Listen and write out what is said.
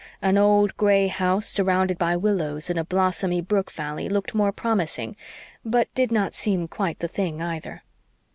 An old gray house, surrounded by willows, in a blossomy brook valley, looked more promising, but did not seem quite the thing either.